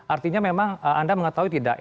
artinya memang anda mengetahui tidak